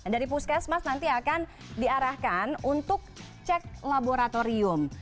dari puskesmas nanti akan diarahkan untuk cek laboratorium